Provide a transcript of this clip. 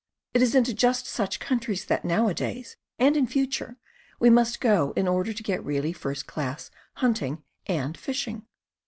It is into just such countries that, nowadays and in future, we must go in order to get really first class hunting and fishing.